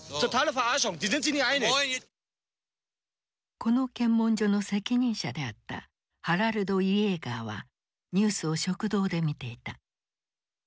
この検問所の責任者であったハラルド・イエーガーはニュースを食堂で見ていた。